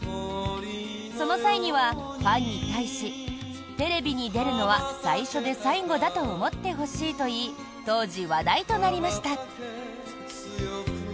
その際には、ファンに対しテレビに出るのは最初で最後だと思ってほしいと言い当時、話題となりました。